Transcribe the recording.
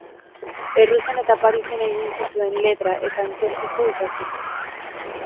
Errusian eta Parisen egin zituen Letra eta Antzerkiko ikasketak.